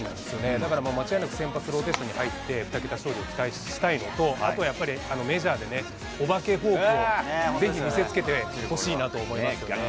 だから間違いなく先発ローテーションに入って、２桁勝利を期待したいのと、あとやっぱり、メジャーでね、お化けフォークをぜひ見せつけてほしいなと思いますけどね。